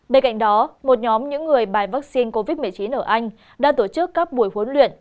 bên cạnh đó một nhóm những người bài vaccine covid một mươi chín ở anh đã tổ chức các buổi huấn luyện